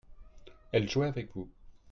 elle jouait avec vous.